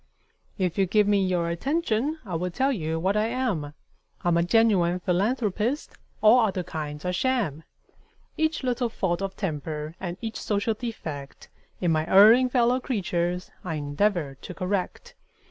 If you give me your attention, I will tell you what I am: I'm a genuine philanthropist all other kinds are sham. Each little fault of temper and each social defect In my erring fellow creatures, I endeavor to correct.